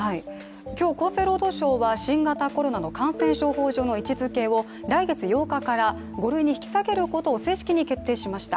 今日、厚生労働省は新型コロナの感染症法上の位置づけを来月８日から５類に引き下げることを正式に決定しました。